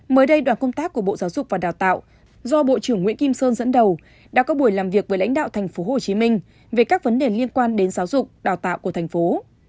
mới đây đoàn công tác của bộ giáo dục và đào tạo do bộ trưởng nguyễn kim sơn dẫn đầu đã có buổi làm việc với lãnh đạo tp hcm về các vấn đề liên quan đến giáo dục đào tạo của thành phố